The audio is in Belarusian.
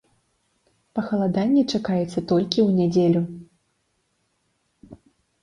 Пахаладанне чакаецца толькі ў нядзелю.